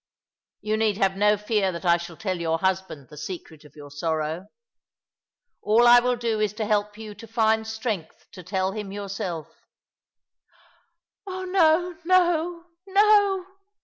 You need have no fear that I shall tell your husband the secret of your sorrow. All I will do is to help you to find strength to tell him yourself." " Oh no, no, no